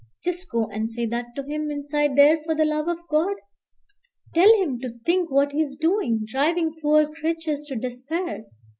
Just go and say that to him inside there for the love of God. Tell him to think what he's doing, driving poor creatures to despair.